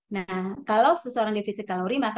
nah kalau seseorang defisit kalori